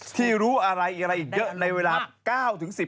ที่รู้อะไรอีกอะไรอีกเยอะ